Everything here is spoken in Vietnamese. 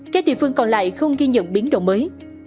các địa phương còn lại không ghi nhận biến động mới